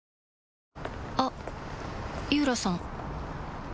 あっ井浦さん